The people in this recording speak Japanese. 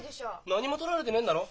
何もとられてねえんだろ？